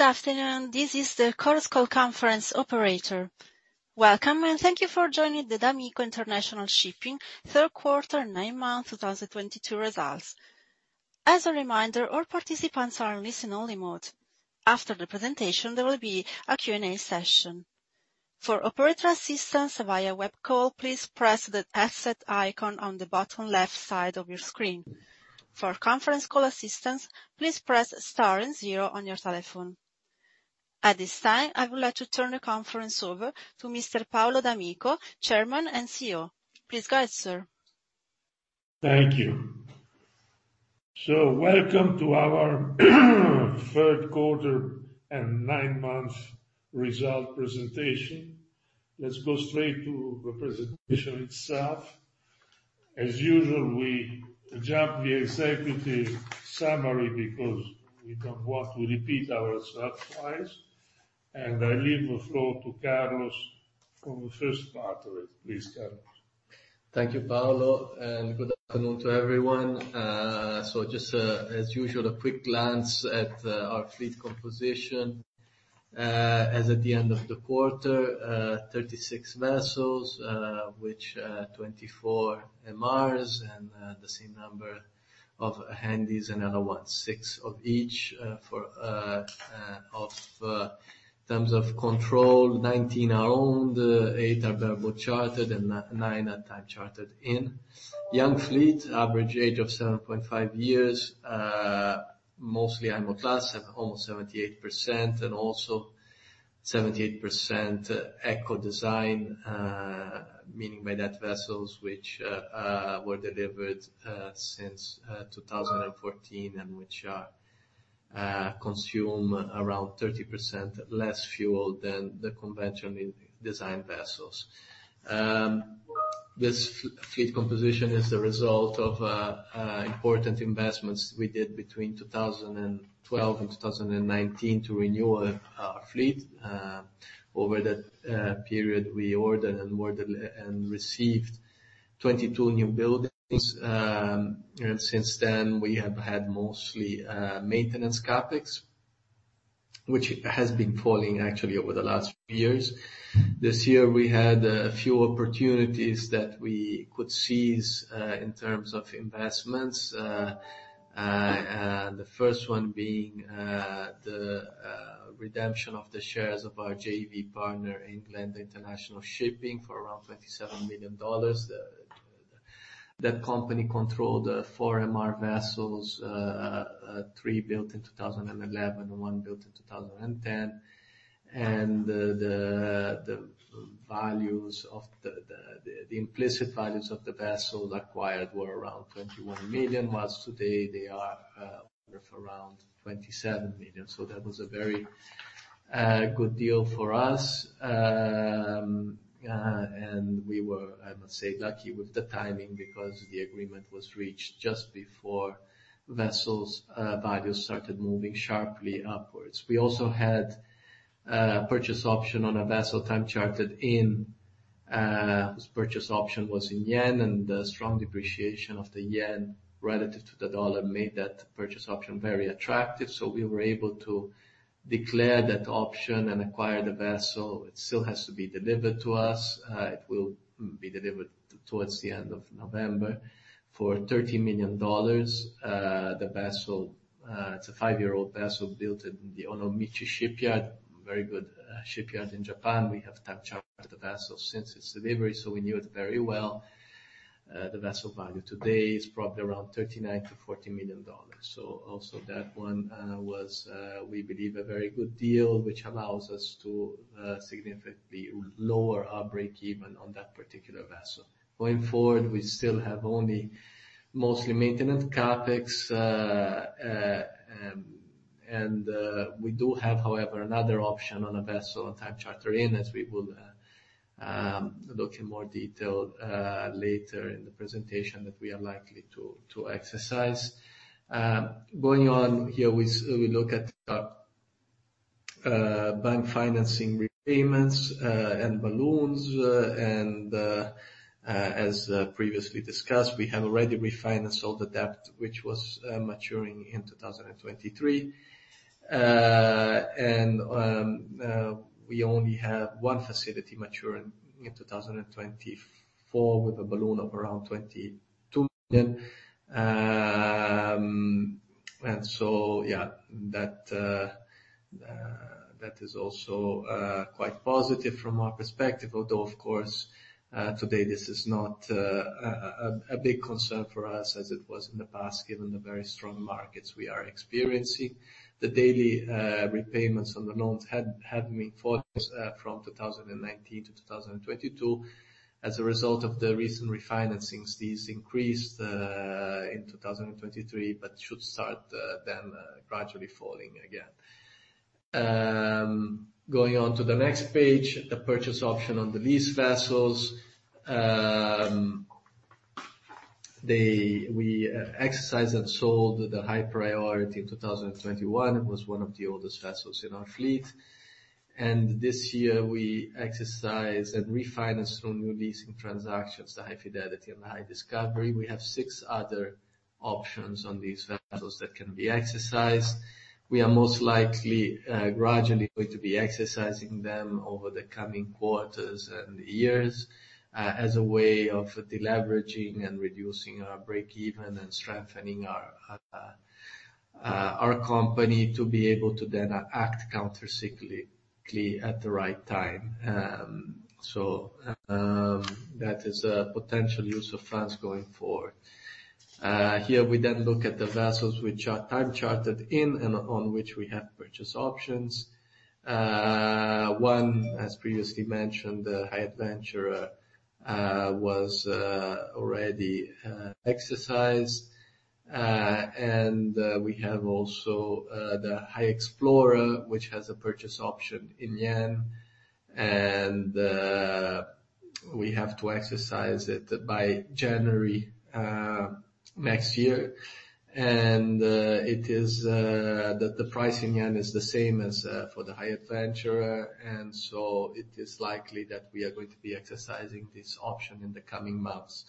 Good afternoon. This is the Chorus Call Conference operator. Welcome, and thank you for joining the d'Amico International Shipping Third Quarter Nine-Month 2022 Results. As a reminder, all participants are in listen only mode. After the presentation, there will be a Q&A session. For operator assistance via web call, please press the headset icon on the bottom left side of your screen. For conference call assistance, please press star and 0 on your telephone. At this time, I would like to turn the conference over to Mr. Paolo d'Amico, Chairman and CEO. Please go ahead, sir. Thank you. Welcome to our third quarter and nine-month result presentation. Let's go straight to the presentation itself. As usual, we jump the executive summary because we don't want to repeat ourselves twice. I leave the floor to Carlos for the first part of it. Please, Carlos. Thank you, Paolo, and good afternoon to everyone. Just as usual, a quick glance at our fleet composition. As at the end of the quarter, 36 vessels, which 24 MRs and the same number of handys and other ones, six of each, in terms of control, 19 are owned, eight are bareboat chartered, and nine are time chartered in. Young fleet, average age of 7.5 years. Mostly IMO class at almost 78%, and also 78% Eco-design. Meaning by that, vessels which were delivered since 2014 and which consume around 30% less fuel than the conventionally designed vessels. This fleet composition is the result of important investments we did between 2012 and 2019 to renew our fleet. Over that period we ordered and received 22 newbuildings. Since then, we have had mostly maintenance CapEx, which has been falling actually over the last few years. This year we had a few opportunities that we could seize in terms of investments. The first one being the redemption of the shares of our JV partner, Glenda International Shipping, for around $27 million. That company controlled four MR vessels, three built in 2011, one built in 2010. The implicit values of the vessels acquired were around $21 million, while today they are worth around $27 million. That was a very good deal for us. We were, I must say, lucky with the timing because the agreement was reached just before vessels' values started moving sharply upwards. We also had purchase option on a vessel time chartered in. This purchase option was in yen, and the strong depreciation of the yen relative to the dollar made that purchase option very attractive, so we were able to declare that option and acquire the vessel. It still has to be delivered to us. It will be delivered towards the end of November for $30 million. The vessel, it's a five-year-old vessel built in the Onomichi Dockyard. Very good shipyard in Japan. We have time chartered the vessel since its delivery, so we knew it very well. The vessel value today is probably around $39 million-$40 million. Also that one was, we believe, a very good deal, which allows us to significantly lower our break-even on that particular vessel. Going forward, we still have only mostly maintenance CapEx. We do have, however, another option on a vessel on time charter and, as we will look in more detail later in the presentation, that we are likely to exercise. Going on here, we look at our bank financing repayments and balloons. As previously discussed, we have already refinanced all the debt which was maturing in 2023. We only have one facility maturing in 2024 with a balloon of around $22 million. That is also quite positive from our perspective. Although, of course, today, this is not a big concern for us as it was in the past, given the very strong markets we are experiencing. The daily repayments on the loans had been falling from 2019 to 2022. As a result of the recent refinancings, these increased in 2023, but should start then gradually falling again. Going on to the next page, the purchase option on the lease vessels. We exercised and sold the High Venture in 2021. It was one of the oldest vessels in our fleet. This year we exercised and refinanced through new leasing transactions, the High Fidelity and the High Discovery. We have six other options on these vessels that can be exercised. We are most likely gradually going to be exercising them over the coming quarters and years as a way of deleveraging and reducing our breakeven and strengthening our company to be able to then act counter-cyclically at the right time. That is a potential use of funds going forward. Here we then look at the vessels which are time chartered in and on which we have purchase options. One, as previously mentioned, the High Venture was already exercised. We have also the High Explorer, which has a purchase option in yen, and we have to exercise it by January next year. It is the price in yen is the same as for the High Venture, and so it is likely that we are going to be exercising this option in the coming months.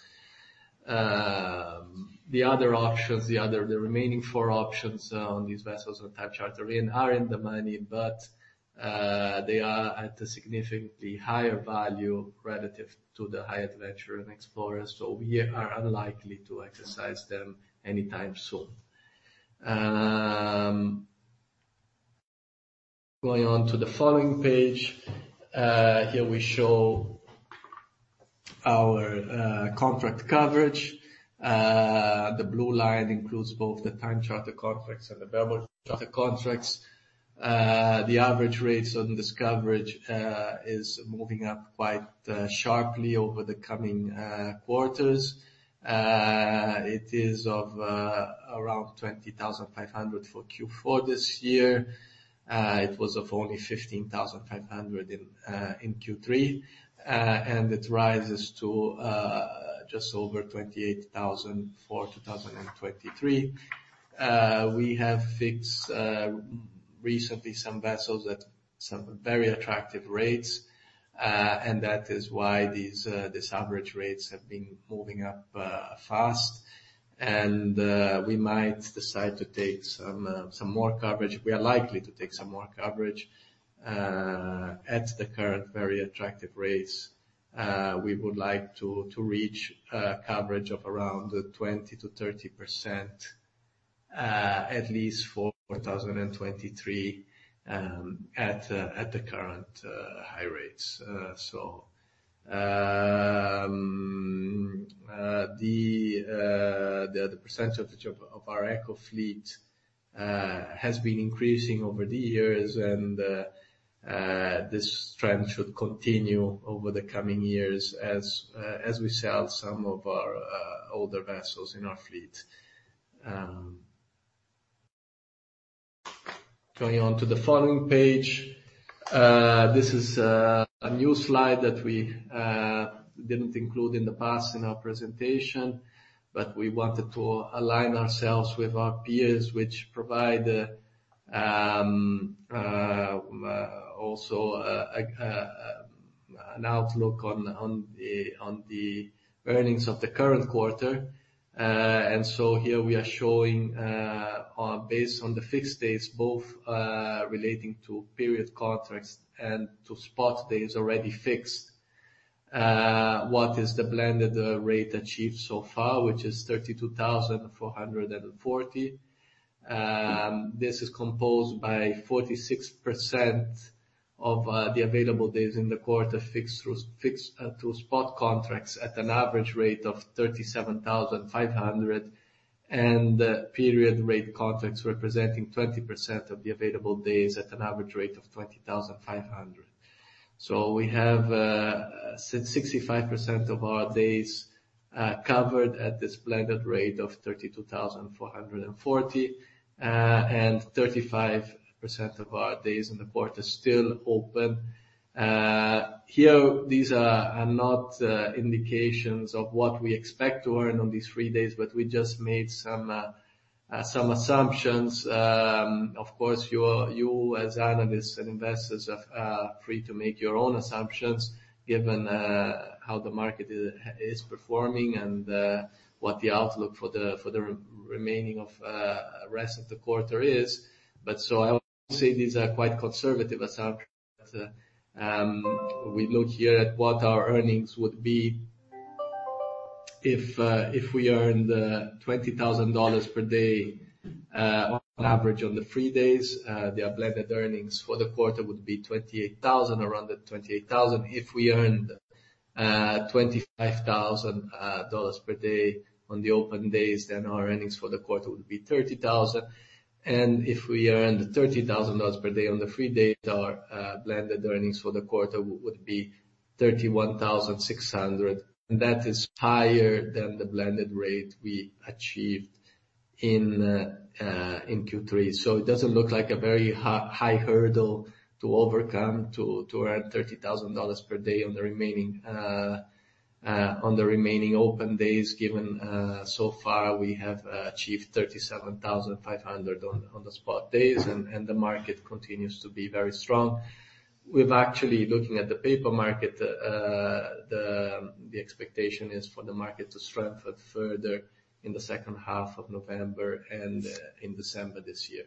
The remaining four options on these vessels on time charter in are in the money, but they are at a significantly higher value relative to the High Venture and Explorer, so we are unlikely to exercise them anytime soon. Going on to the following page. Here we show our contract coverage. The blue line includes both the time charter contracts and the bareboat charter contracts. The average rates on this coverage is moving up quite sharply over the coming quarters. It is around $25,000 for Q4 this year. It was only $15,500 in Q3. It rises to just over $28,000 for 2023. We have fixed recently some vessels at some very attractive rates, and that is why these average rates have been moving up fast. We might decide to take some more coverage. We are likely to take some more coverage at the current very attractive rates. We would like to reach a coverage of around 20%-30% at least for 2023 at the current high rates. The percentage of our Eco fleet has been increasing over the years and this trend should continue over the coming years as we sell some of our older vessels in our fleet. Going on to the following page. This is a new slide that we didn't include in the past in our presentation, but we wanted to align ourselves with our peers which provide also an outlook on the earnings of the current quarter. Here we are showing, based on the fixed days, both relating to period contracts and to spot days already fixed, what is the blended rate achieved so far, which is $32,440. This is composed by 46% of the available days in the quarter fixed through spot contracts at an average rate of $37,500, and the period rate contracts representing 20% of the available days at an average rate of $20,500. We have 65% of our days covered at this blended rate of $32,440, and 35% of our days in the quarter still open. Here, these are not indications of what we expect to earn on these free days, but we just made some assumptions. Of course, you as analysts and investors are free to make your own assumptions given how the market is performing and what the outlook for the rest of the quarter is. I would say these are quite conservative assumptions. We look here at what our earnings would be if we earned $20,000 per day on average on the free days. There, blended earnings for the quarter would be $28,000, around $28,000. If we earned $25,000 per day on the open days, then our earnings for the quarter would be $30,000. If we earned $30,000 per day on the free days, our blended earnings for the quarter would be $31,600, and that is higher than the blended rate we achieved in Q3. It doesn't look like a very high hurdle to overcome to earn $30,000 per day on the remaining open days, given so far we have achieved $37,500 on the spot days, and the market continues to be very strong. We're actually looking at the paper market, the expectation is for the market to strengthen further in the second half of November and in December this year.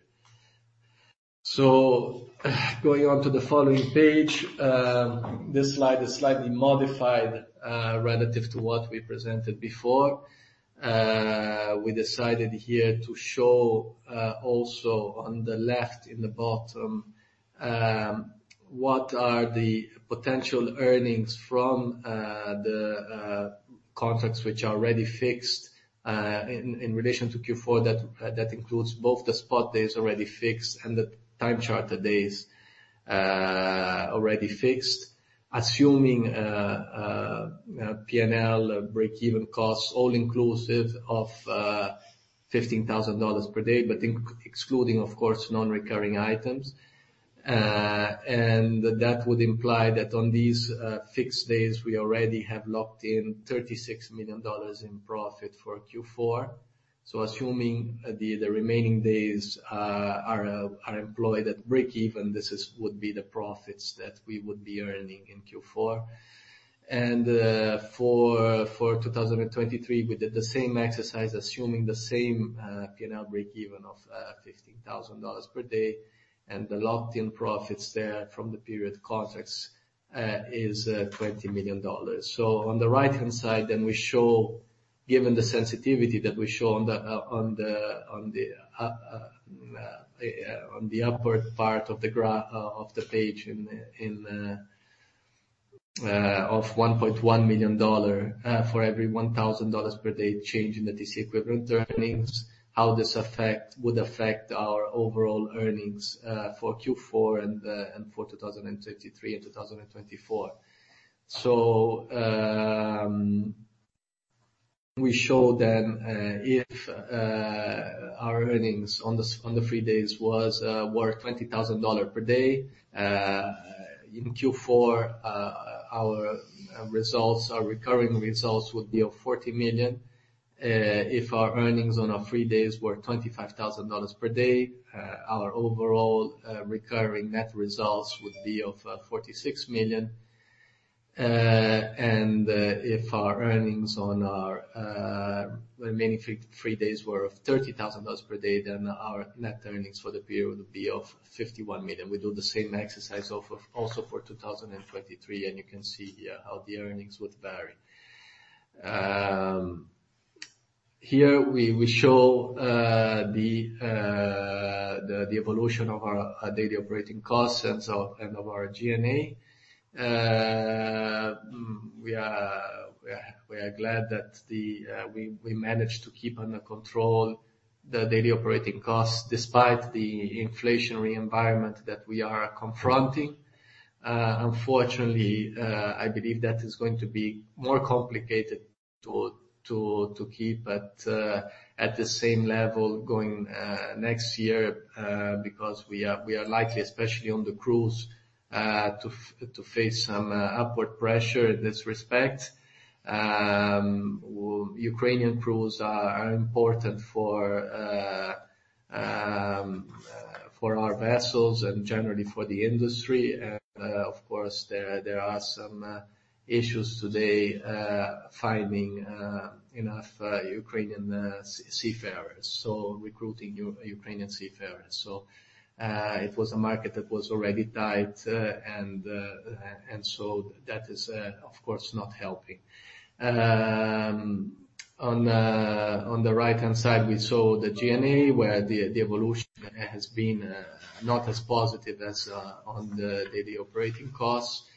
Going on to the following page, this slide is slightly modified relative to what we presented before. We decided here to show also on the left in the bottom what are the potential earnings from the contracts which are already fixed in relation to Q4 that includes both the spot days already fixed and the time charter days already fixed. Assuming P&L break-even costs all inclusive of $15,000 per day, but excluding, of course, non-recurring items. That would imply that on these fixed days, we already have locked in $36 million in profit for Q4. Assuming the remaining days are employed at break even, this would be the profits that we would be earning in Q4. For 2023, we did the same exercise, assuming the same P&L breakeven of $15,000 per day, and the locked-in profits therefrom the period contracts is $20 million. On the right-hand side, we show, given the sensitivity that we show on the upward part of the page of $1.1 million for every $1,000 per day change in the TCE equivalent earnings, how this would affect our overall earnings for Q4 and for 2023 and 2024. We show if our earnings on the free days were $20,000 per day in Q4, our results, our recurring results would be $40 million. If our earnings on our free days were $25,000 per day, our overall recurring net results would be $46 million. If our earnings on our remaining free days were $30,000 per day, then our net earnings for the period would be $51 million. We do the same exercise also for 2023, and you can see here how the earnings would vary. Here we show the evolution of our daily operating costs and so, and of our G&A. We are glad that we managed to keep under control the daily operating costs despite the inflationary environment that we are confronting. Unfortunately, I believe that is going to be more complicated to keep at the same level going next year, because we are likely, especially on the crews, to face some upward pressure in this respect. Ukrainian crews are important for our vessels and generally for the industry. Of course, there are some issues today finding enough Ukrainian seafarers, so recruiting Ukrainian seafarers. It was a market that was already tight, and so that is, of course, not helping. On the right-hand side, we saw the G&A, where the evolution has been not as positive as on the daily operating costs.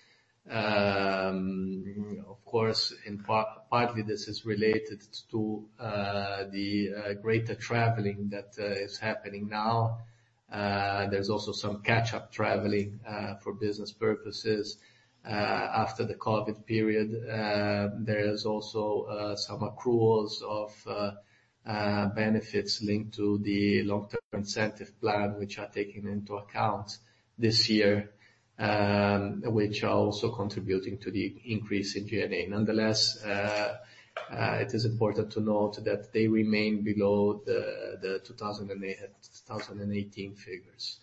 Of course, partly this is related to the greater traveling that is happening now. There's also some catch-up traveling for business purposes after the COVID period. There is also some accruals of benefits linked to the long-term incentive plan, which are taken into account this year, which are also contributing to the increase in G&A. Nonetheless, it is important to note that they remain below the 2018 figures.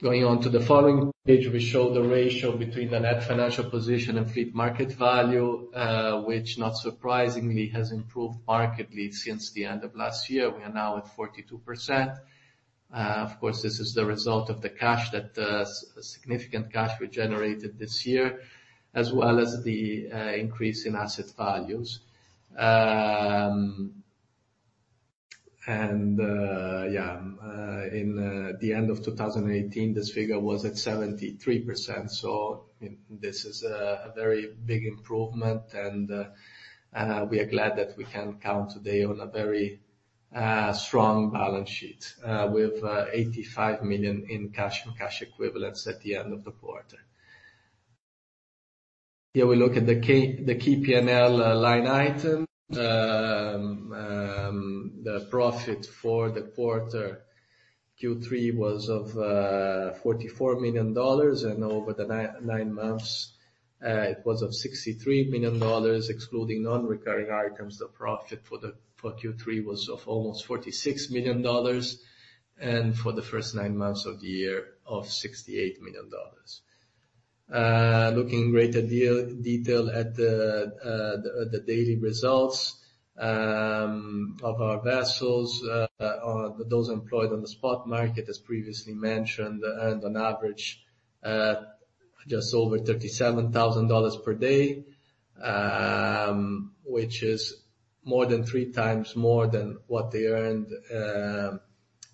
Going on to the following page, we show the ratio between the net financial position and fleet market value, which not surprisingly has improved markedly since the end of last year. We are now at 42%. Of course, this is the result of the cash that significant cash we generated this year, as well as the increase in asset values. In the end of 2018, this figure was at 73%. This is a very big improvement. We are glad that we can count today on a very strong balance sheet, with $85 million in cash and cash equivalents at the end of the quarter. Here we look at the key P&L line item. The profit for the quarter Q3 was $44 million, and over the nine months, it was $63 million. Excluding non-recurring items, the profit for Q3 was almost $46 million, and for the first nine months of the year, $68 million. Looking in greater detail at the daily results of our vessels, those employed on the spot market, as previously mentioned, earned on average just over $37,000 per day, which is more than three times more than what they earned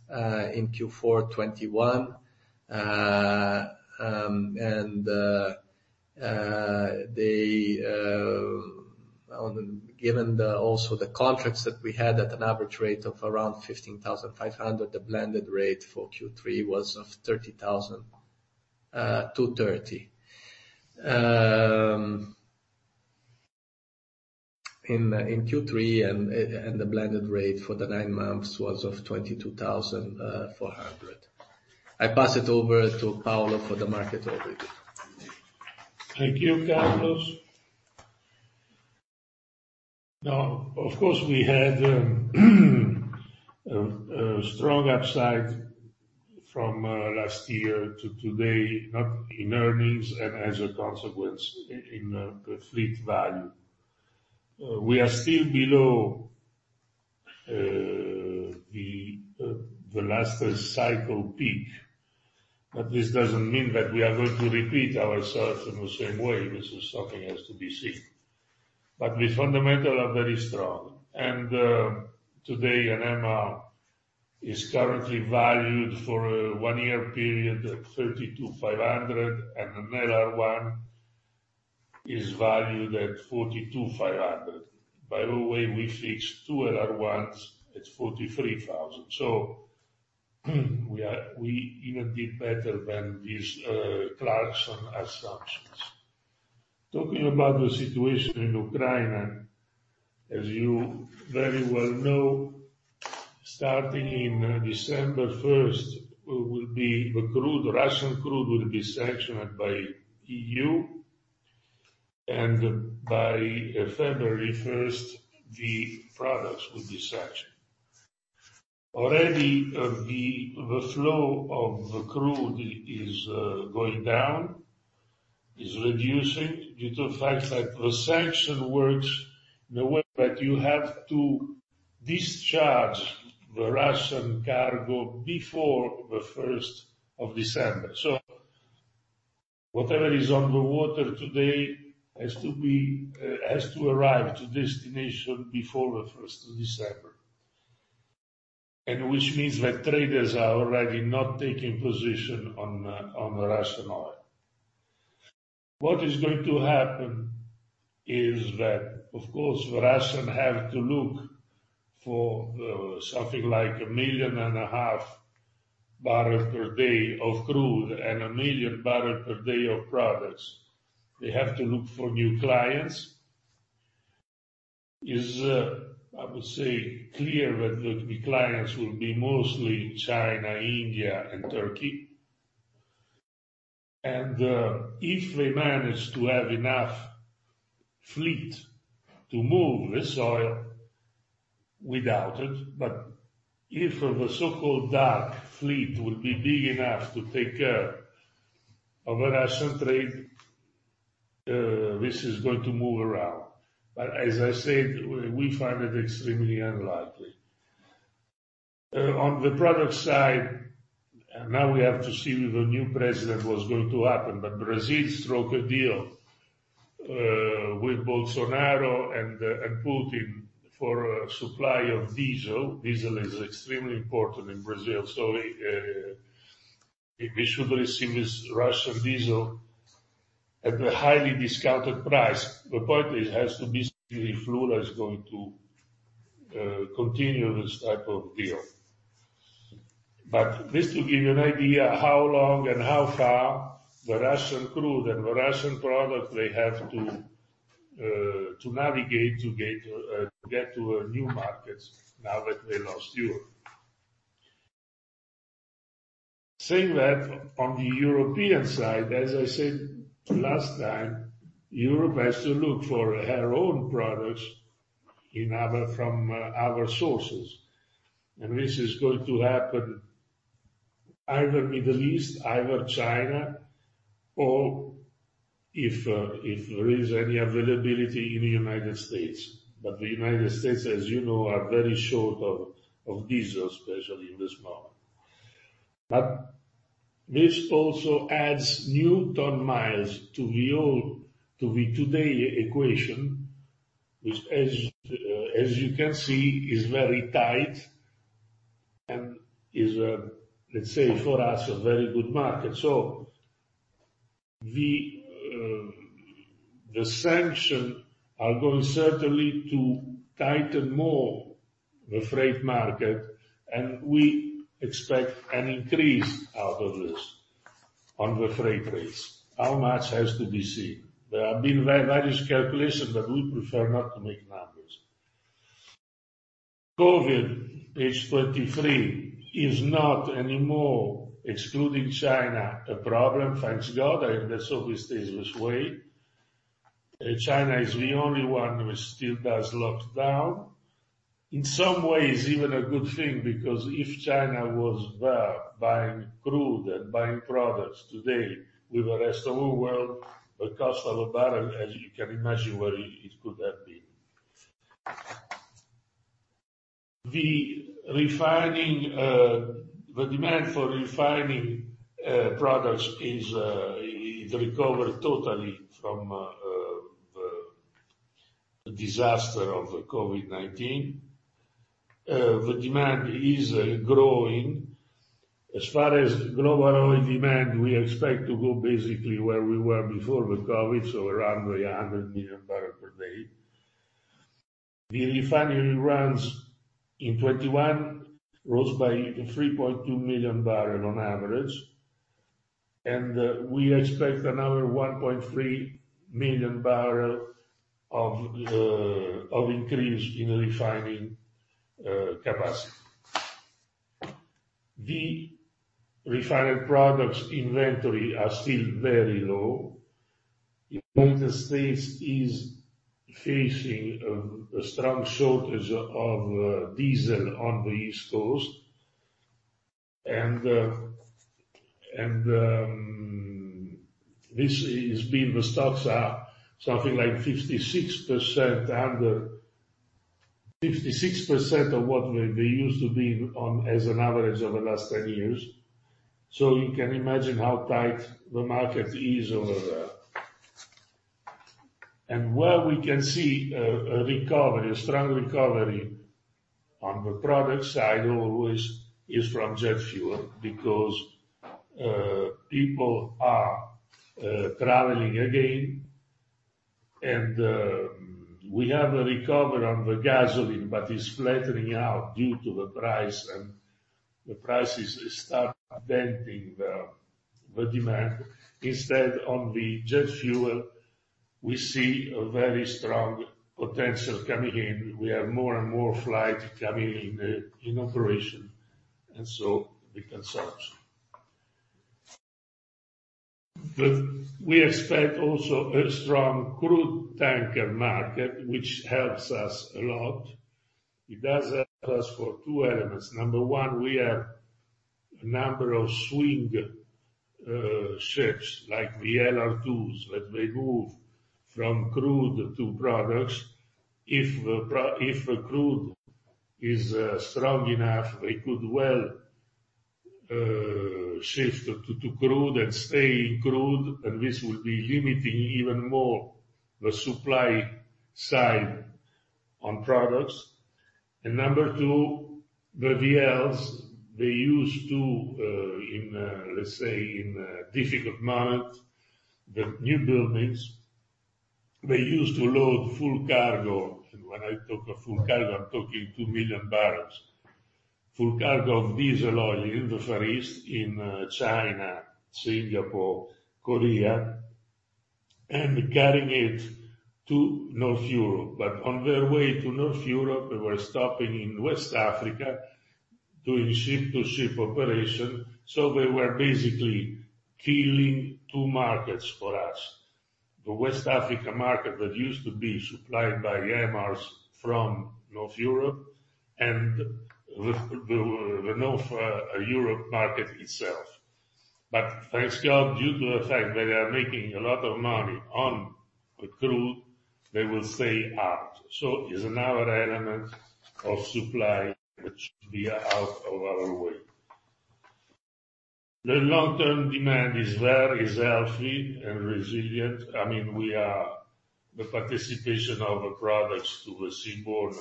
in Q4 2021. They on the... Given also the contracts that we had at an average rate of around $15,500, the blended rate for Q3 was $30,230, in Q3 and the blended rate for the nine months was $22,400. I pass it over to Paolo for the market overview. Thank you, Carlos. Now, of course, we had a strong upside from last year to today, not in earnings and as a consequence in the fleet value. We are still below the last cycle peak, but this doesn't mean that we are going to repeat ourselves in the same way. This is something has to be seen. The fundamental are very strong. Today, an MR is currently valued for a one-year period at $32,500, and an LR1 is valued at $42,500. By the way, we fixed two LR1s at $43,000. We even did better than these Clarksons assumptions. Talking about the situation in Ukraine, as you very well know, starting December first, Russian crude will be sanctioned by E.U., and by February first, the products will be sanctioned. Already, the flow of the crude is going down, reducing due to the fact that the sanction works in a way that you have to discharge the Russian cargo before the first of December. Whatever is on the water today has to arrive to destination before the first of December. Which means that traders are already not taking position on the Russian oil. What is going to happen is that, of course, the Russian have to look for something like 1.5 million barrels per day of crude and 1 million barrels per day of products. They have to look for new clients. It is, I would say, clear that the clients will be mostly China, India, and Turkey. If they manage to have enough fleet to move this oil, we doubt it. If the so-called dark fleet will be big enough to take care of the Russian trade, this is going to move around. As I said, we find it extremely unlikely. On the product side, now we have to see with the new president what's going to happen. Brazil struck a deal with Bolsonaro and Putin for a supply of diesel. Diesel is extremely important in Brazil, so they should receive this Russian diesel at a highly discounted price. The point is, has to be seen if Lula is going to continue this type of deal. This to give you an idea how long and how far the Russian crude and the Russian product they have to navigate to get to a new market now that they lost Europe. Saying that, on the European side, as I said last time, Europe has to look for her own products from other sources. This is going to happen either Middle East, either China, or if there is any availability in the United States. The United States, as you know, are very short of diesel, especially in this moment. This also adds new ton-miles to the today equation, which as you can see, is very tight and is let's say for us, a very good market. The sanctions are going certainly to tighten more the freight market, and we expect an increase out of this on the freight rates. How much has to be seen. There have been various calculations, but we prefer not to make numbers. COVID, page 23, is not anymore, excluding China, a problem. Thank God. Let's hope it stays this way. China is the only one who still does lockdown. In some ways, even a good thing, because if China was there buying crude and buying products today with the rest of the world, the cost of a barrel, as you can imagine, where it could have been. The demand for refining products. It recovered totally from the disaster of COVID-19. The demand is growing. As far as global oil demand, we expect to go basically where we were before the COVID, so around 100 million barrels per day. The refinery runs in 2021 rose by 3.2 million barrels on average, and we expect another 1.3 million barrels of increase in refining capacity. The refined products inventory are still very low. The United States is facing a strong shortage of diesel on the East Coast. The stocks are something like 56% under, 56% of what they used to be as an average over the last 10 years. You can imagine how tight the market is over there. Where we can see a strong recovery on the product side always is from jet fuel because people are traveling again. We have a recovery on the gasoline, but it's flattening out due to the price and the prices start denting the demand. Instead, on the jet fuel, we see a very strong potential coming in. We have more and more flights coming in in operation, so we can surge. We expect also a strong crude tanker market, which helps us a lot. It does help us for two elements. Number one, we have a number of swing ships like the LR2s that may move from crude to products. If the crude is strong enough, they could well shift to crude and stay in crude, and this will be limiting even more the supply side on products. Number two, the VLs, they used to, in let's say a difficult moment, the newbuildings, they used to load full cargo. When I talk of full cargo, I'm talking 2 million barrels. Full cargo of diesel oil in the Far East, in China, Singapore, Korea, and carrying it to North Europe. But on their way to North Europe, they were stopping in West Africa, doing ship-to-ship operation. They were basically killing two markets for us. The West Africa market that used to be supplied by MRs from North Europe and the North Europe market itself. Thank God, due to the fact that they are making a lot of money on the crude, they will stay out. It's another element of supply which should be out of our way. The long-term demand is there, healthy and resilient. I mean, the participation of the products to the seaborne,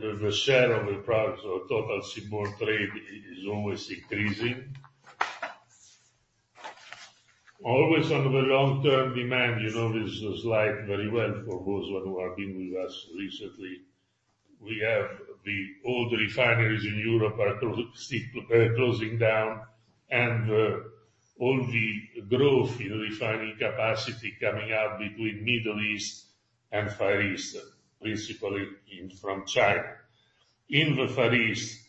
the share of the products of total seaborne trade is always increasing. Always on the long-term demand, you know this slide very well for those one who have been with us recently. The old refineries in Europe are still closing down and all the growth in refining capacity coming out between Middle East and Far East, principally from China. In the Far East,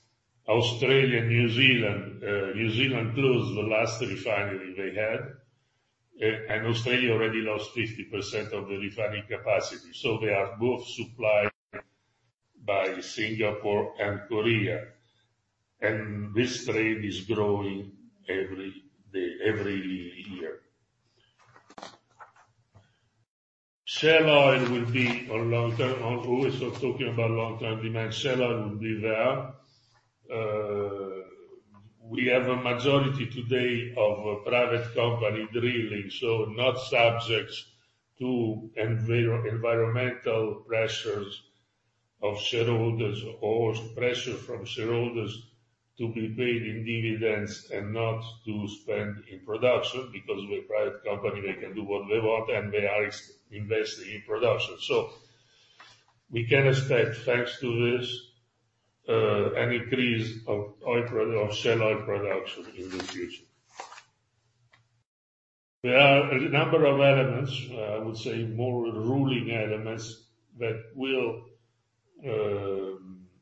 Australia and New Zealand, New Zealand closed the last refinery they had. And Australia already lost 50% of the refining capacity. They are both supplied by Singapore and Korea. This trade is growing every day, every year. Shale oil will be on long term. Always talking about long-term demand, shale oil will be there. We have a majority today of private company drilling, so not subject to environmental pressures of shareholders or pressure from shareholders to be paid in dividends and not to spend in production because we're a private company, they can do what they want, and they are investing in production. We can expect, thanks to this, an increase of oil of shale oil production in the future. There are a number of elements, I would say more ruling elements that will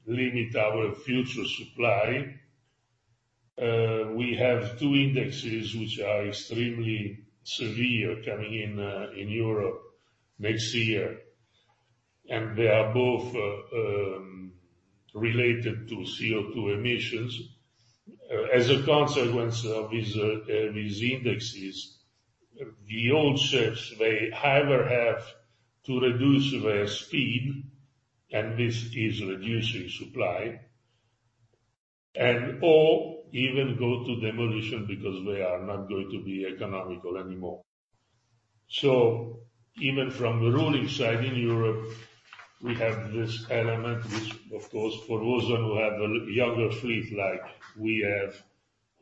limit our future supply. We have two indexes which are extremely severe coming in in Europe next year, and they are both related to CO₂ emissions. As a consequence of these indexes, the old ships may either have to reduce their speed, and this is reducing supply, and/or even go to demolition because they are not going to be economical anymore. Even from the regulatory side in Europe, we have this element which of course, for those who have a younger fleet like we have,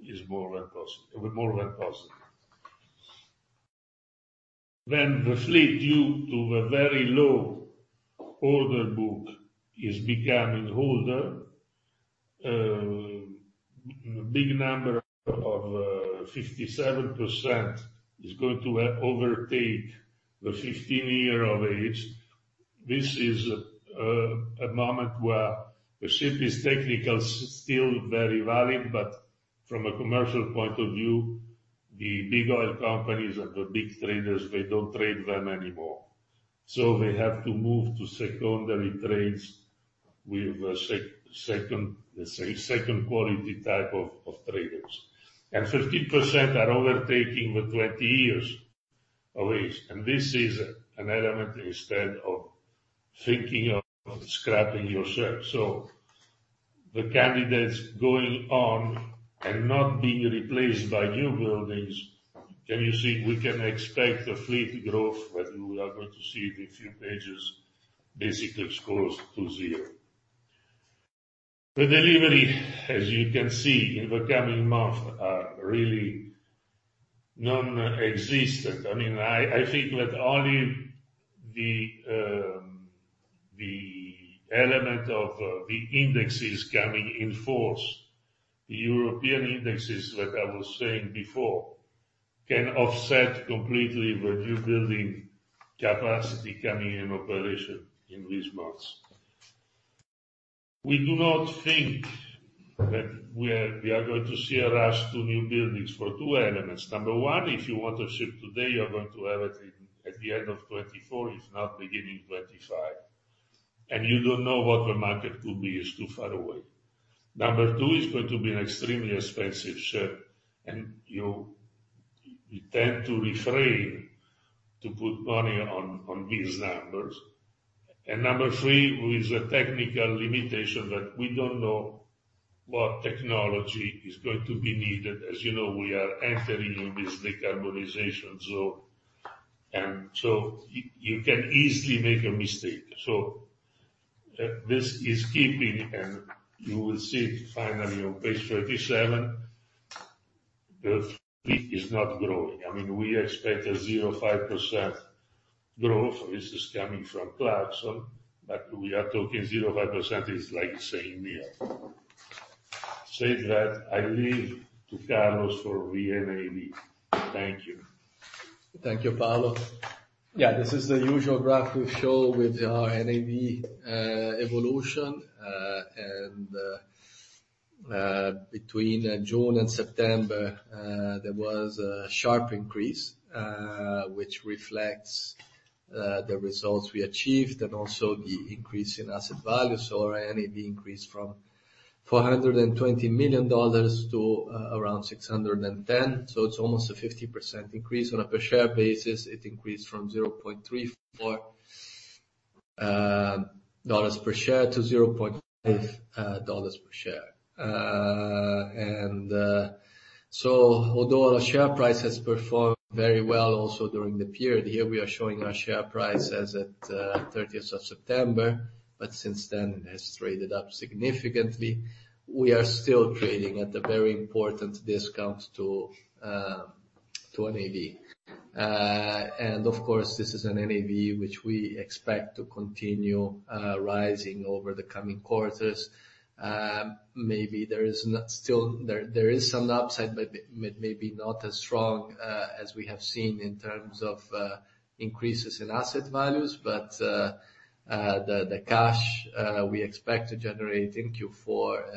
is more than positive. More than positive. When the fleet, due to the very low order book, is becoming older, big number of 57% is going to overtake the 15-year of age. This is a moment where the ship is technically still very valid, but from a commercial point of view, the big oil companies and the big traders, they don't trade them anymore. They have to move to secondary trades with the second, say, second quality type of traders. 50% are over 20 years of age, and this is an element instead of thinking of scrapping your ship. The candidates going on and not being replaced by newbuildings, you see, we can expect the fleet growth, but we are going to see it in a few years, basically close to zero. The deliveries, as you can see, in the coming months are really non-existent. I mean, I think that only the element of the indexes coming into force, the European indexes that I was saying before, can offset completely the newbuilding capacity coming into operation in these months. We do not think that we are going to see a rush to newbuildings for two elements. Number one, if you want a ship today, you are going to have it at the end of 2024, if not beginning 2025. You don't know what the market could be. It's too far away. Number two, it's going to be an extremely expensive ship, and you tend to refrain to put money on these numbers. Number three, with the technical limitation that we don't know what technology is going to be needed. As you know, we are entering in this decarbonization zone, and you can easily make a mistake. This is key, and you will see it finally on page 37, the fleet is not growing. I mean, we expect a 0% growth. This is coming from Clarksons, but we are talking 0% is like saying zero. That said, I leave to Carlos for NAV. Thank you. Thank you, Paolo. Yeah, this is the usual graph we show with our NAV evolution. Between June and September, there was a sharp increase, which reflects the results we achieved and also the increase in asset value. Our NAV increased from $420 million to around $610 million. It's almost a 50% increase. On a per share basis, it increased from $0.34 per share to $0.5 per share. Although our share price has performed very well also during the period, here we are showing our share price as at 30th of September, but since then it has traded up significantly. We are still trading at a very important discount to NAV. Of course, this is an NAV which we expect to continue rising over the coming quarters. Maybe there is some upside, but maybe not as strong as we have seen in terms of increases in asset values. The cash we expect to generate in Q4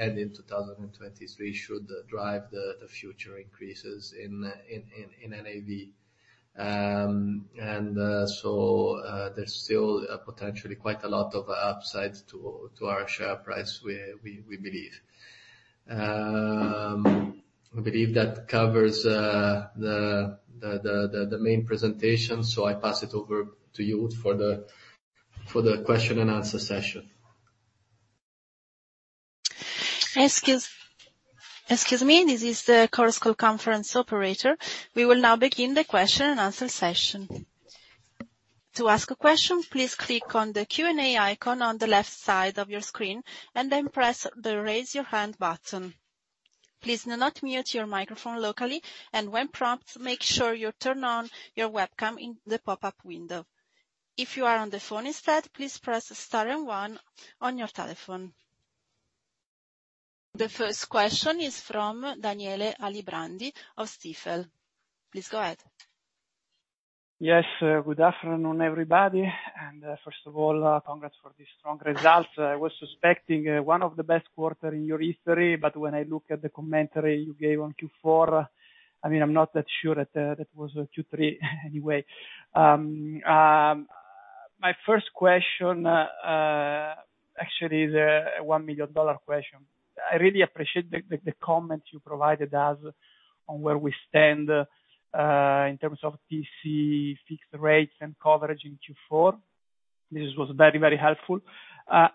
and in 2023 should drive the future increases in NAV. There's still potentially quite a lot of upside to our share price, we believe. I believe that covers the main presentation. I pass it over to you for the question and answer session. Excuse me. This is the Chorus Call conference operator. We will now begin the question and answer session. To ask a question, please click on the Q&A icon on the left side of your screen, and then press the Raise Your Hand button. Please do not mute your microphone locally, and when prompted, make sure you turn on your webcam in the pop-up window. If you are on the phone instead, please press star and 1 on your telephone. The first question is from Daniele Alibrandi of Stifel. Please go ahead. Yes. Good afternoon, everybody. First of all, congrats for these strong results. I was suspecting one of the best quarter in your history, but when I look at the commentary you gave on Q4, I mean, I'm not that sure that that was Q3 anyway. My first question actually is a $1 million question. I really appreciate the comments you provided us on where we stand in terms of TC fixed rates and coverage in Q4. This was very, very helpful.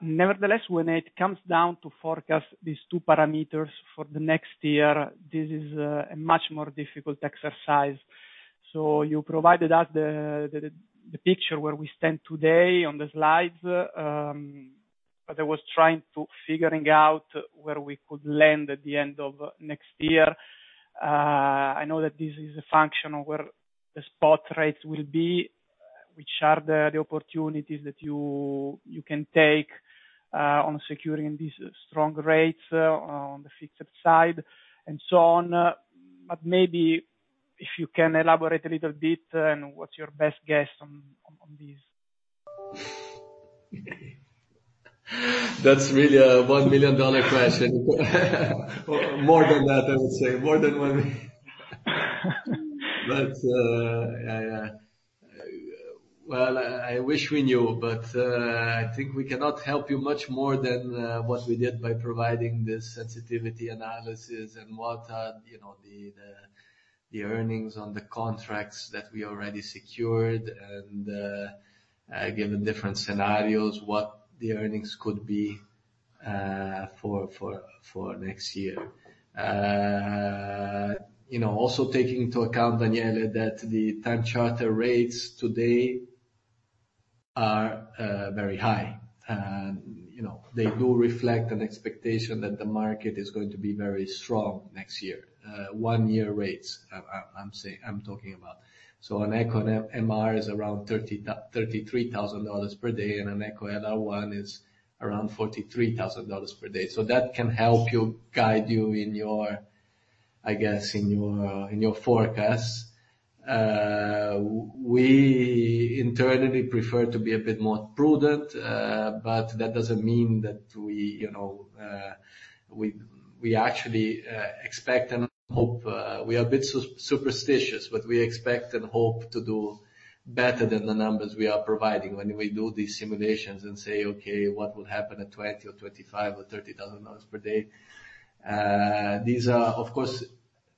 Nevertheless, when it comes down to forecast these two parameters for the next year, this is a much more difficult exercise. You provided us the picture where we stand today on the slides. I was trying to figure out where we could land at the end of next year. I know that this is a function of where the spot rates will be, which are the opportunities that you can take on securing these strong rates on the fixed side and so on. Maybe if you can elaborate a little bit on what's your best guess on this. That's really a $1 million question. Or more than that, I would say. More than one. Yeah, well, I wish we knew, but I think we cannot help you much more than what we did by providing the sensitivity analysis and what are, you know, the earnings on the contracts that we already secured and given different scenarios, what the earnings could be for next year. You know, also taking into account, Daniele, that the time charter rates today are very high and, you know, they do reflect an expectation that the market is going to be very strong next year. One year rates, I'm talking about. An Eco MR is around $33,000 per day, and an Eco LR1 is around $43,000 per day. That can help guide you in your forecast, I guess. We internally prefer to be a bit more prudent, but that doesn't mean that we, you know, we actually expect and hope. We are a bit superstitious, but we expect and hope to do better than the numbers we are providing when we do these simulations and say, "Okay, what will happen at $20,000 or $25,000 or $30,000 per day?" These are, of course,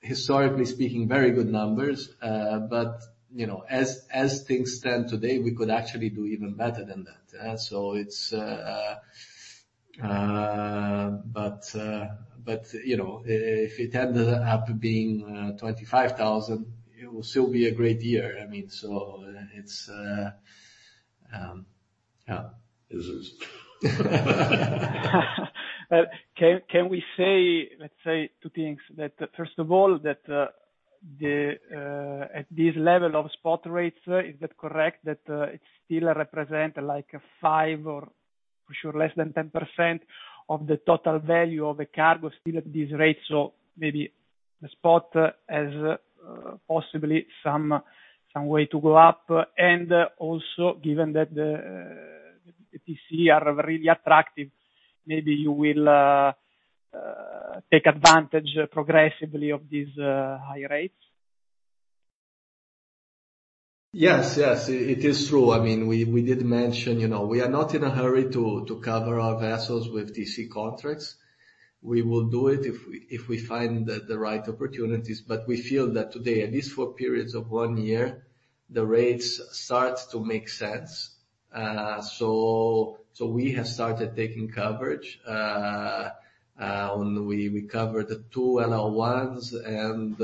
historically speaking, very good numbers. You know, as things stand today, we could actually do even better than that. It's. You know, if it ended up being $25,000, it will still be a great year. I mean, it's yeah. It is. Can we say, let's say two things, that first of all, at this level of spot rates, is that correct, that it still represent like 5% or for sure less than 10% of the total value of the cargo still at this rate? Maybe the spot has possibly some way to go up. Also, given that the TC are really attractive, maybe you will take advantage progressively of these high rates. Yes. It is true. I mean, we did mention, you know, we are not in a hurry to cover our vessels with TC contracts. We will do it if we find the right opportunities. We feel that today, at least for periods of one year, the rates start to make sense. We have started taking coverage and the way we covered the two LR1s and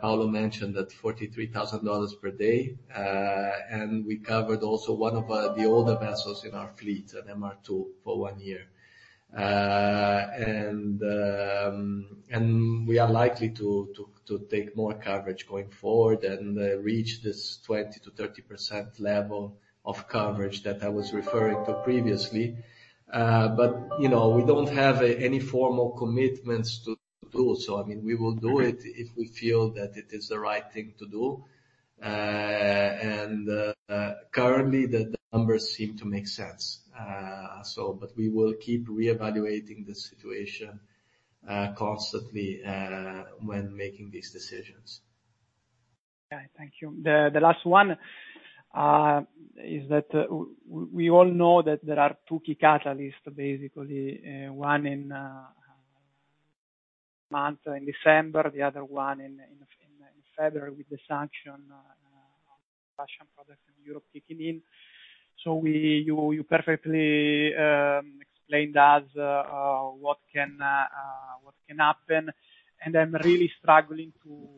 Paolo mentioned that $43,000 per day. And we covered also one of the older vessels in our fleet, an MR2, for one year. And we are likely to take more coverage going forward and reach this 20%-30% level of coverage that I was referring to previously. You know, we don't have any formal commitments to do. I mean, we will do it if we feel that it is the right thing to do. Currently, the numbers seem to make sense. We will keep reevaluating the situation constantly when making these decisions. Okay. Thank you. The last one is that we all know that there are two key catalysts, basically. One in a month in December, the other one in February with the sanctions on Russian products in Europe kicking in. You perfectly explained to us what can happen. I'm really struggling to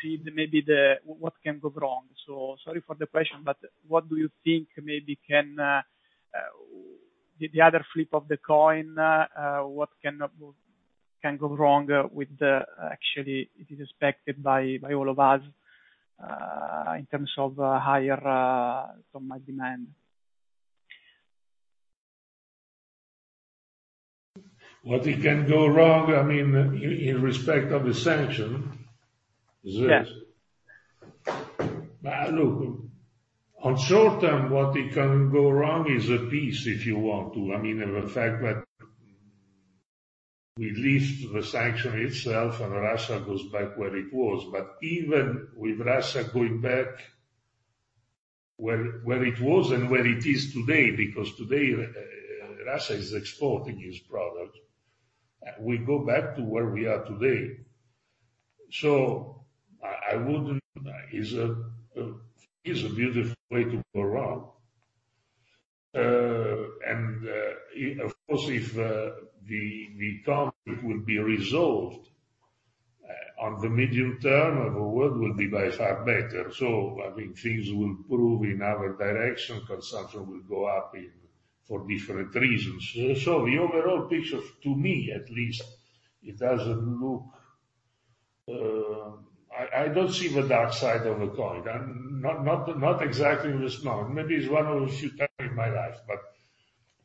see maybe what can go wrong. Sorry for the question, but what do you think maybe the other flip of the coin, what can go wrong with the. Actually it is expected by all of us in terms of higher ton-mile demand. What it can go wrong, I mean, in respect of the sanction, is this. Yeah. Look, in the short term, what can go wrong is the peace, if you want to. I mean, the fact that we lift the sanction itself and Russia goes back where it was, but even with Russia going back where it was and where it is today, because today Russia is exporting its product, we go back to where we are today. I wouldn't. It's a beautiful way to go around. Of course, if the conflict would be resolved, in the medium term, the world will be by far better. I mean, things will improve in our direction, consumption will go up for different reasons. The overall picture, to me at least, it doesn't look. I don't see the dark side of the coin. I'm not exactly this moment. Maybe it's one of the few times in my life.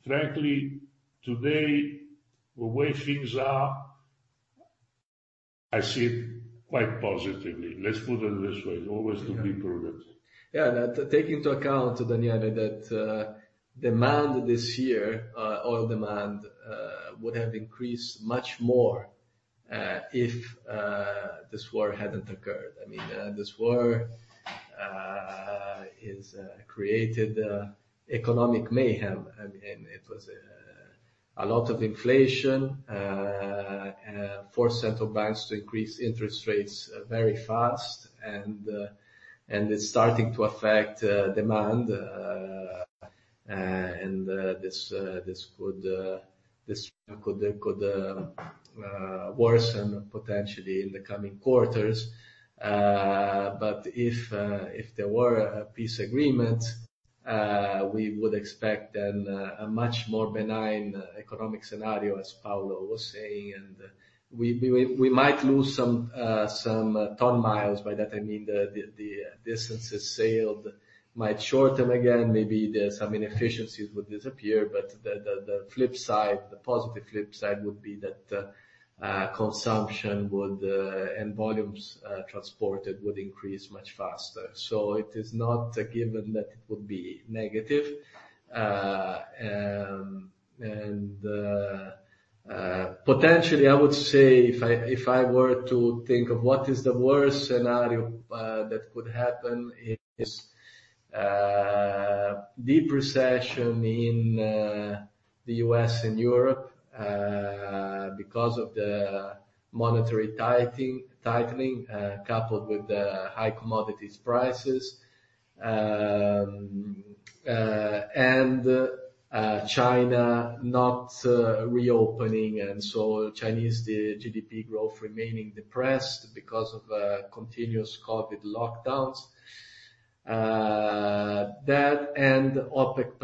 Frankly, today, the way things are, I see it quite positively. Let's put it this way. Always to be proven. Yeah. That takes into account, Daniele, that demand this year, oil demand, would have increased much more if this war hadn't occurred. I mean, this war has created economic mayhem. I mean, it was a lot of inflation, forced central banks to increase interest rates very fast and it's starting to affect demand. This could worsen potentially in the coming quarters. But if there were a peace agreement, we would expect then a much more benign economic scenario, as Paolo was saying. We might lose some ton-miles. By that I mean the distances sailed might shorten again. Maybe some inefficiencies would disappear. The flip side, the positive flip side would be that consumption would and volumes transported would increase much faster. So it is not a given that it would be negative. Potentially, I would say if I were to think of what is the worst scenario that could happen is deep recession in the U.S. and Europe because of the monetary tightening coupled with the high commodity prices and China not reopening, and so Chinese GDP growth remaining depressed because of continuous COVID lockdowns. That and OPEC+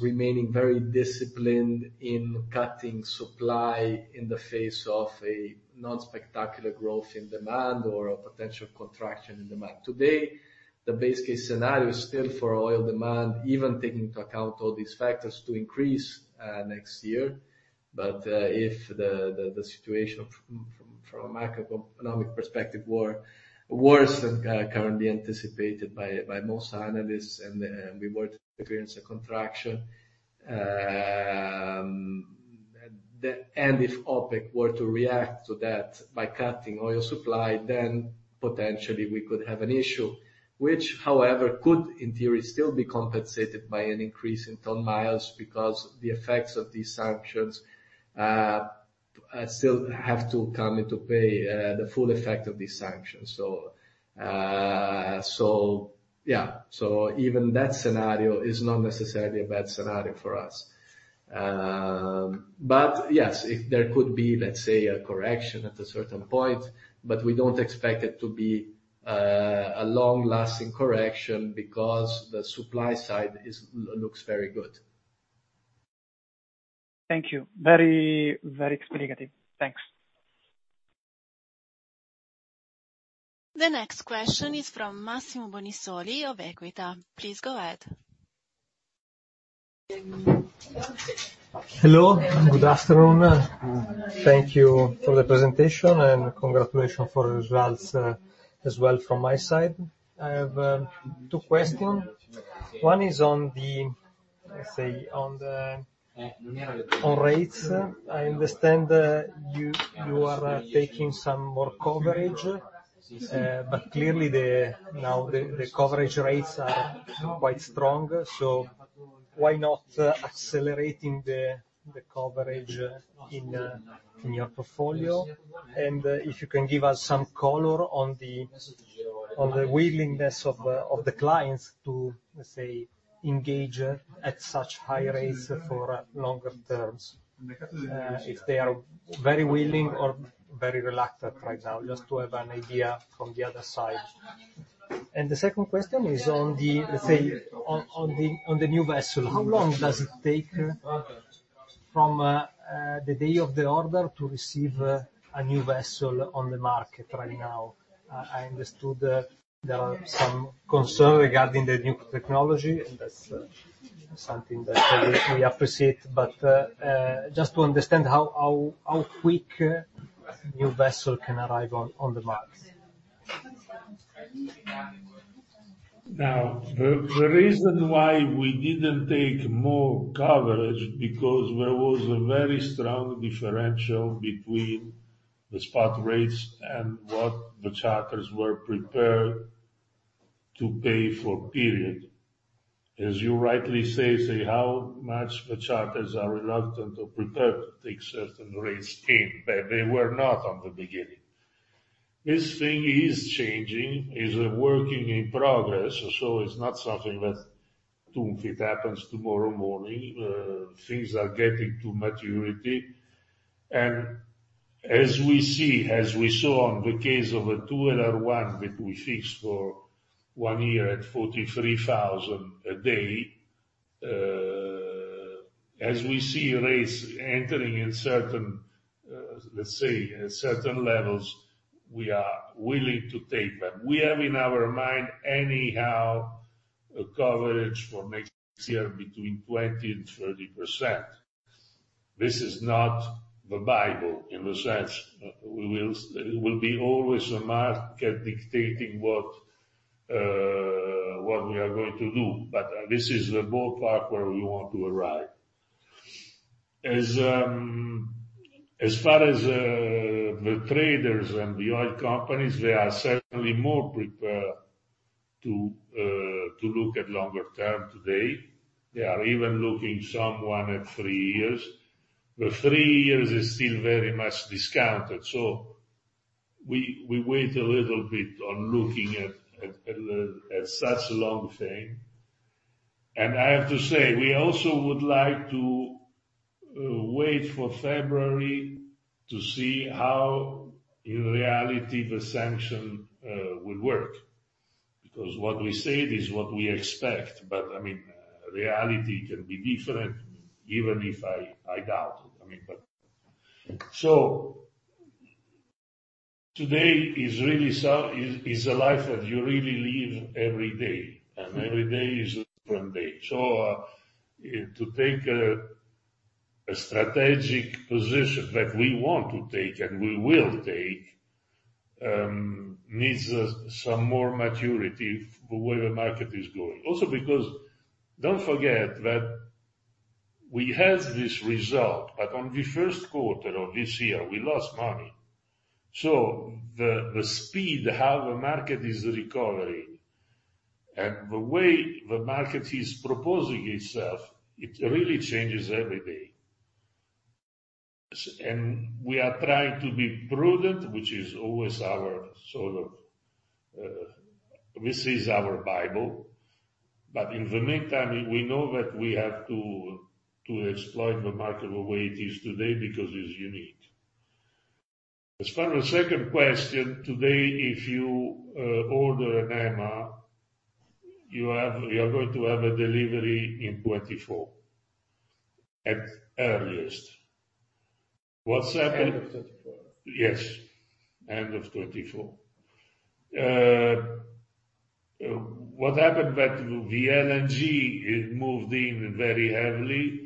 remaining very disciplined in cutting supply in the face of a non-spectacular growth in demand or a potential contraction in demand. Today, the base case scenario is still for oil demand, even taking into account all these factors to increase next year. If the situation from a macroeconomic perspective were worse than currently anticipated by most analysts and we were to experience a contraction and if OPEC were to react to that by cutting oil supply, then potentially we could have an issue. Which, however, could in theory still be compensated by an increase in ton-miles because the effects of these sanctions still have to come into play, the full effect of these sanctions. So yeah. Even that scenario is not necessarily a bad scenario for us. Yes, if there could be, let's say, a correction at a certain point, but we don't expect it to be a long-lasting correction because the supply side looks very good. Thank you. Very, very explicative. Thanks. The next question is from Massimo Bonisoli of Equita. Please go ahead. Hello. Good afternoon. Thank you for the presentation, and congratulations for the results, as well from my side. I have two question. One is on the, let's say, rates. I understand you are taking some more coverage. But clearly the coverage rates are quite strong, so why not accelerating the coverage in your portfolio? And if you can give us some color on the willingness of the clients to, let's say, engage at such high rates for longer terms. If they are very willing or very reluctant right now, just to have an idea from the other side. The second question is on the, let's say, new vessel. How long does it take from the day of the order to receive a new vessel on the market right now? I understood that there are some concern regarding the new technology, and that's something that we appreciate. Just to understand how quick a new vessel can arrive on the market. Now, the reason why we didn't take more coverage because there was a very strong differential between the spot rates and what the charters were prepared to pay for period. As you rightly say how much the charters are reluctant or prepared to take certain rates in, but they were not at the beginning. This thing is changing. It's a work in progress, so it's not something that it happens tomorrow morning. Things are getting to maturity. As we see, as we saw in the case of two LR1 that we fixed for one year at $43,000 a day, as we see rates entering in certain, let's say, certain levels, we are willing to take them. We have in our mind anyhow a coverage for next year between 20% and 30%. This is not the Bible in the sense. It will be always the market dictating what we are going to do. This is the ballpark where we want to arrive. As far as the traders and the oil companies, they are certainly more prepared to look at longer term today. They are even looking at one to three years. The three years is still very much discounted, so we wait a little bit on looking at such long thing. I have to say, we also would like to wait for February to see how in reality the sanction will work. Because what we said is what we expect, I mean, reality can be different, even if I doubt it. I mean, but today is really some. It is a life that you really live every day, and every day is a different day. To take a strategic position that we want to take and we will take needs us some more maturity the way the market is going. Also because don't forget that we had this result, but on the first quarter of this year, we lost money. The speed how the market is recovering and the way the market is proposing itself, it really changes every day. We are trying to be prudent, which is always our sort of, this is our Bible. In the meantime, we know that we have to exploit the market the way it is today because it's unique. As far as the second question, today, if you order an MR, you have, you're going to have a delivery in 2024, at earliest. End of 2024. Yes, end of 2024. What happened that the LNG, it moved in very heavily,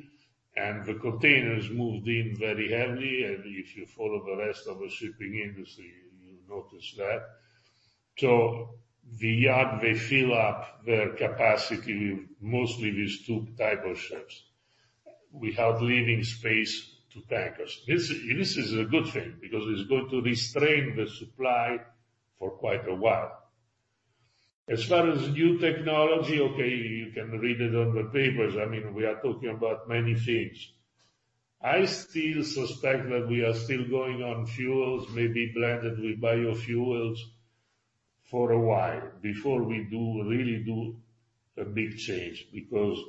and the containers moved in very heavily, and if you follow the rest of the shipping industry, you'll notice that. The yard, they fill up their capacity with mostly these two type of ships without leaving space to tankers. This is a good thing because it's going to restrain the supply for quite a while. As far as new technology, okay, you can read it on the papers. I mean, we are talking about many things. I still suspect that we are still going on fuels, maybe blended with biofuels for a while before we really do a big change. Because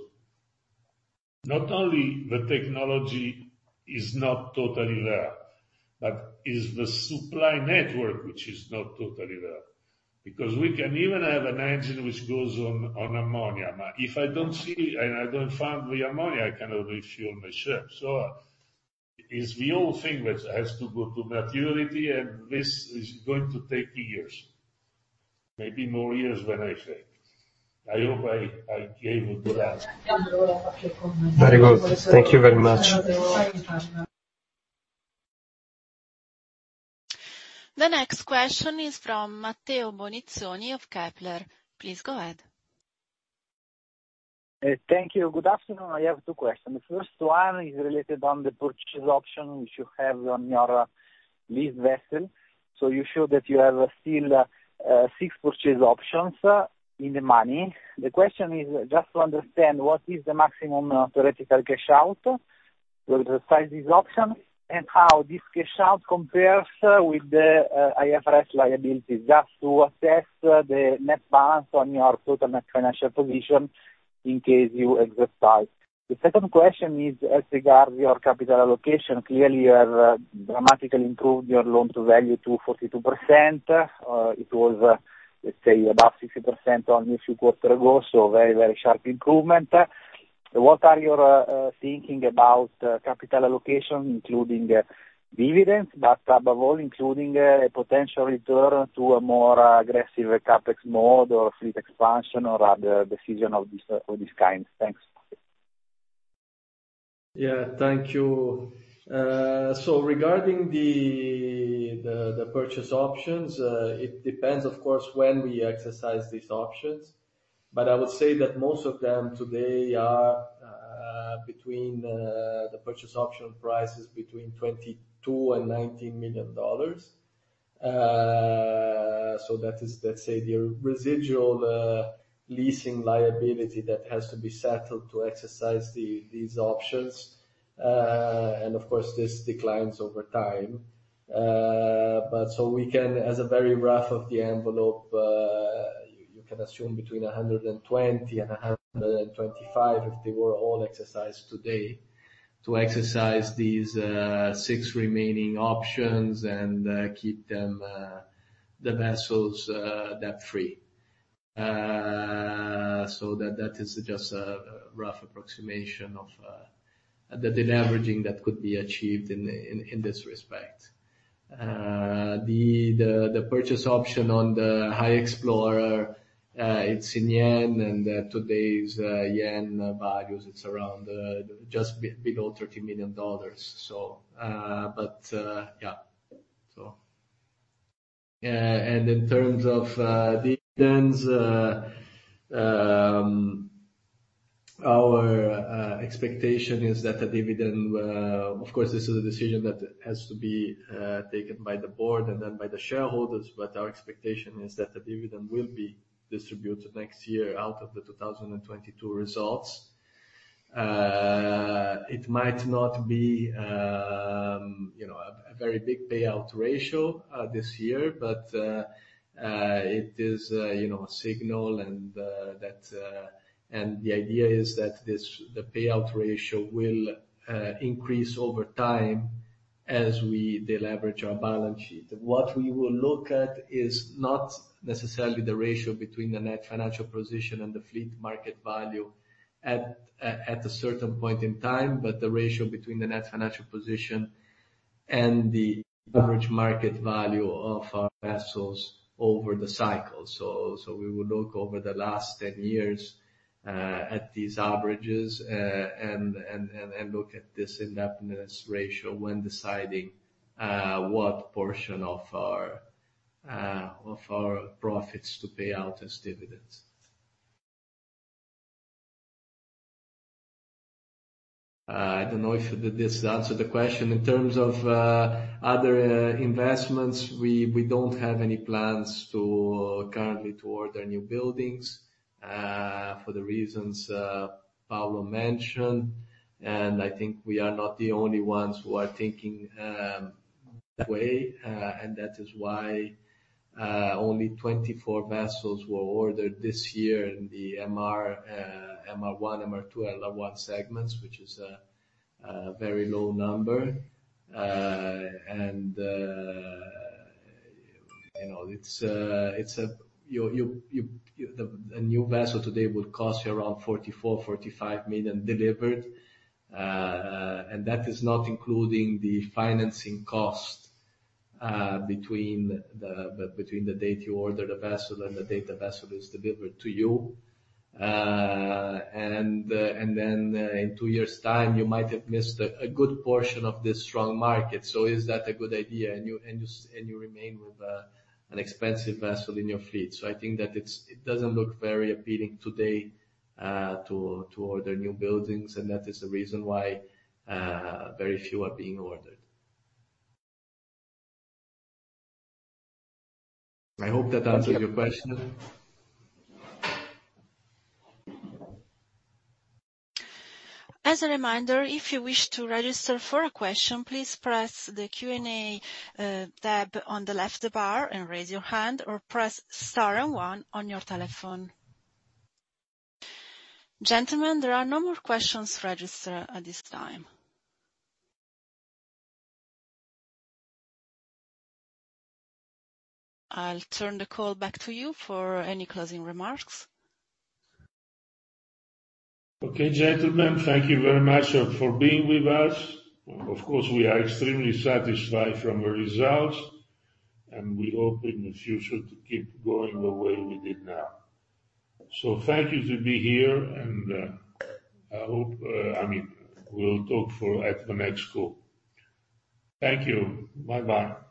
not only the technology is not totally there, but it's the supply network which is not totally there. Because we can even have an engine which goes on ammonia. If I don't see and I don't find the ammonia, I cannot refuel my ship. It's the old thing which has to go to maturity, and this is going to take years, maybe more years than I think. I hope I gave a good answer. Very good. Thank you very much. The next question is from Matteo Bonizzoni of Kepler. Please go ahead. Thank you. Good afternoon. I have two questions. The first one is related on the purchase option which you have on your lease vessel. You show that you have still six purchase options in the money. The question is just to understand what is the maximum theoretical cash out to exercise this option and how this cash out compares with the IFRS liabilities, just to assess the net balance on your total net financial position in case you exercise. The second question is as regard your capital allocation. Clearly, you have dramatically improved your loan-to-value to 42%. It was, let's say, about 60% only a few quarters ago, so very sharp improvement. What are you thinking about capital allocation, including dividends, but above all, including a potential return to a more aggressive CapEx mode or fleet expansion or other decisions of this kind? Thanks. Yeah. Thank you. So regarding the purchase options, it depends, of course, when we exercise these options. I would say that most of them today are between the purchase option prices between $22 million and $19 million. So that is, let's say, the residual leasing liability that has to be settled to exercise these options. And of course, this declines over time. We can, as a very back-of-the-envelope, you can assume between 120 and 125, if they were all exercised today, to exercise these six remaining options and keep the vessels debt-free. So that is just a rough approximation of the deleveraging that could be achieved in this respect. The purchase option on the High Explorer, it's in yen, and today's yen values, it's around just below $30 million. In terms of dividends, our expectation is that the dividend, of course, this is a decision that has to be taken by the board and then by the shareholders, but our expectation is that the dividend will be distributed next year out of the 2022 results. It might not be you know a very big payout ratio this year, but it is you know a signal and that. The idea is that the payout ratio will increase over time as we deleverage our balance sheet. What we will look at is not necessarily the ratio between the net financial position and the fleet market value at a certain point in time, but the ratio between the net financial position and the average market value of our vessels over the cycle. We will look over the last 10 years at these averages and look at this indebtedness ratio when deciding what portion of our profits to pay out as dividends. I don't know if this answered the question. In terms of other investments, we don't have any plans currently to order newbuildings for the reasons Paolo mentioned. I think we are not the only ones who are thinking that way, and that is why only 24 vessels were ordered this year in the MR, MR1, MR2, and LR1 segments, which is a very low number. You know, a new vessel today would cost you around $44-$45 million delivered, and that is not including the financing cost between the date you order the vessel and the date the vessel is delivered to you. In two years' time, you might have missed a good portion of this strong market. Is that a good idea? You remain with an expensive vessel in your fleet. I think that it doesn't look very appealing today to order newbuildings, and that is the reason why very few are being ordered. I hope that answered your question. As a reminder, if you wish to register for a question, please press the Q&A tab on the left bar and raise your hand or press star and 1 on your telephone. Gentlemen, there are no more questions registered at this time. I'll turn the call back to you for any closing remarks. Okay, gentlemen. Thank you very much for being with us. Of course, we are extremely satisfied from the results, and we hope in the future to keep going the way we did now. Thank you to be here and, I hope, I mean, we'll talk for at the next call. Thank you. Bye-bye.